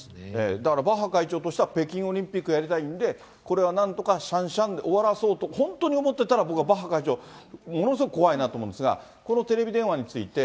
だからバッハ会長としては、北京オリンピックやりたいんで、これはなんとかしゃんしゃんで終わらそうと、本当に思ってたら、僕はバッハ会長、ものすごい怖いなと思うんですが、このテレビ電話について。